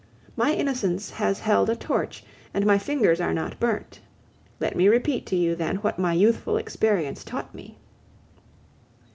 My innocence has held a torch, and my fingers are not burnt. Let me repeat to you, then, what my youthful experience taught me.